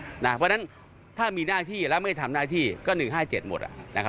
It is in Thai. เพราะฉะนั้นถ้ามีหน้าที่แล้วไม่ทำหน้าที่ก็๑๕๗หมด